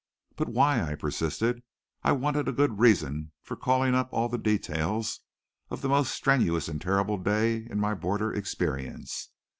"But why?" I persisted. I wanted a good reason for calling up all the details of the most strenuous and terrible day in my border experience.